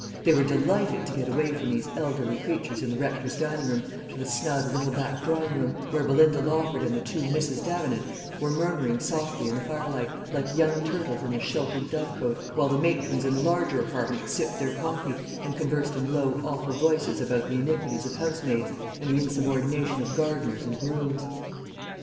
They were delighted to get away from those elderly creatures in the Rector's dining room to the snug little back drawing room, where Belinda Lawford and the two Misses Davenant were murmuring softly in the firelight, like young turtles in a sheltered dove cote; while the matrons in the larger apartment sipped their coffee, and conversed in low awful voices about the iniquities of housemaids, and the insubordination of gardeners and grooms.